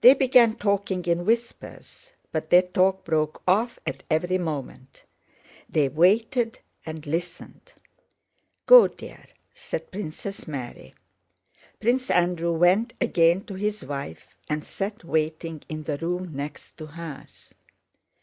They began talking in whispers, but their talk broke off at every moment. They waited and listened. "Go, dear," said Princess Mary. Prince Andrew went again to his wife and sat waiting in the room next to hers.